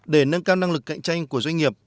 để nâng cao năng lực cạnh tranh của doanh nghiệp